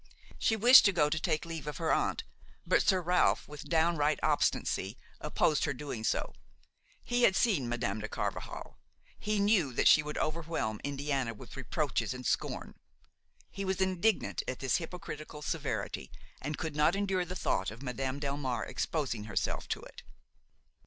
She wished to go to take leave of her aunt, but Sir Ralph with downright obstinacy opposed her doing so. He had seen Madame de Carvajal; he knew that she would overwhelm Indiana with reproaches and scorn; he was indignant at this hypocritical severity, and could not endure the thought of Madame Delmare exposing herself to it.